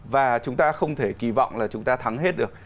và chúng ta không thể kỳ vọng là chúng ta thắng hết được